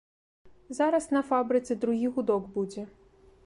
Зараз на фабрыцы другі гудок будзе.